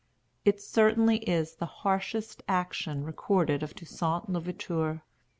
It certainly is the harshest action recorded of Toussaint l'Ouverture.